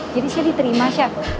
jadi saya diterima chef